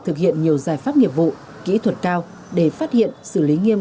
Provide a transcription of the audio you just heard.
thực hiện nhiều giải pháp nghiệp vụ kỹ thuật cao để phát hiện xử lý nghiêm